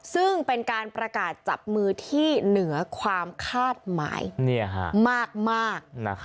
ซึ่งเป็นการประกาศจับมือที่เหนือความคาดหมายมาก